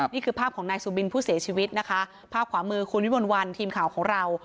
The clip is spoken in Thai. นี่คือภาพของนายสุบินผู้เสียชีวิตนะคะภาพขวามือคุณวิมลวันทีมข่าวของเรา